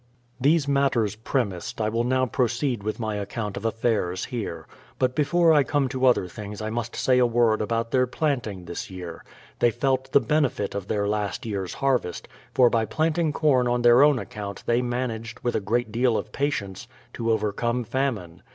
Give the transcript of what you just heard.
These matters premised, I will now proceed with my account of affairs here. But before I come to other things I must say a word about their planting this year. They felt the benefit of their last year's harvest ; for by planting corn on their own account they managed, with a great deal of patience, to overcome famine.